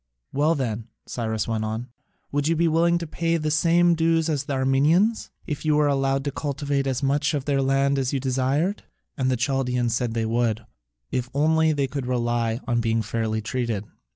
"Well then," Cyrus went on, "would you be willing to pay the same dues as the Armenians, if you were allowed to cultivate as much of their land as you desired?" And the Chaldaeans said they would, if only they could rely on being fairly treated.